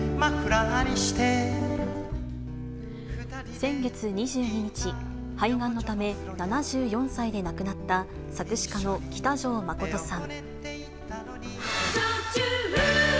先月２２日、肺がんのため７４歳で亡くなった作詞家の喜多條忠さん。